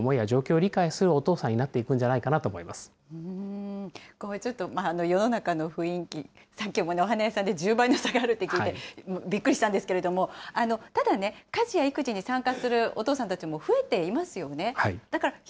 その結果として、家族の思いや状況を理解するお父さんになっていちょっと世の中の雰囲気、さっきも、お花屋さんで１０倍の差があるって聞いて、びっくりしたんですけれども、ただね、家事や育児に参加するお父さんたちも増えていますよね。